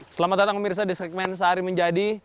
selamat datang mirsa di segmen sehari menjadi